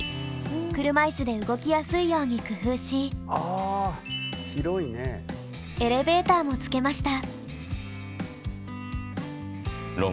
車いすで動きやすいように工夫しエレベーターもつけました。